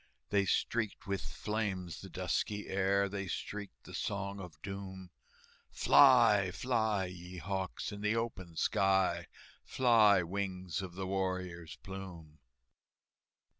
They streaked with flames the dusky air, They streaked the Song of Doom, "Fly, fly, ye hawks, in the open sky, Fly, wings of the warrior's plume!"